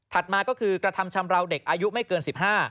มาก็คือกระทำชำราวเด็กอายุไม่เกิน๑๕